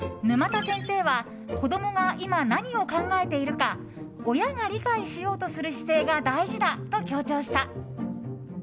沼田先生は子供が今、何を考えているか親が理解しようとする姿勢が大事だと強調した。